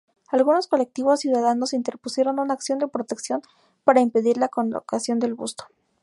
Algunos colectivos ciudadanos interpusieron una acción de protección para impedir la colocación del busto.